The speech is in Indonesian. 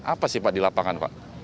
apa sih pak di lapangan pak